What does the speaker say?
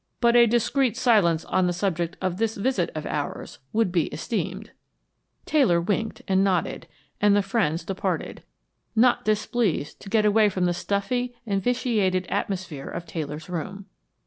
But a discreet silence on the subject of this visit of ours would be esteemed." Taylor winked and nodded, and the friends departed, not displeased to get away from the stuffy and vitiated atmosphere of Taylor's room.